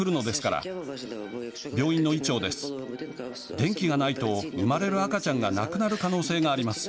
電気がないと産まれる赤ちゃんが亡くなる可能性があります。